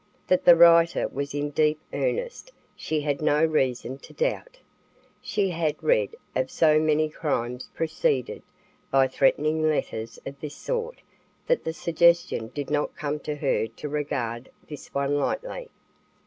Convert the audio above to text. That the writer was in deep earnest she had no reason to doubt. She had read of so many crimes preceded by threatening letters of this sort that the suggestion did not come to her to regard this one lightly.